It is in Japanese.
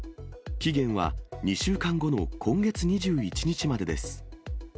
期限は２週間後の今月２１日までです。